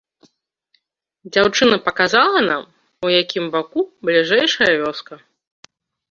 Дзяўчына паказала нам, у якім баку бліжэйшая вёска.